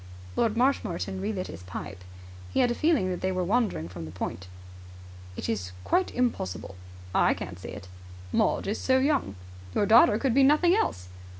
Lord Marshmoreton relit his pipe. He had a feeling that they were wandering from the point. "It is quite impossible." "I can't see it." "Maud is so young." "Your daughter could be nothing else."